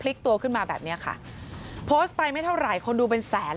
ลิกตัวขึ้นมาแบบเนี้ยค่ะโพสต์ไปไม่เท่าไหร่คนดูเป็นแสน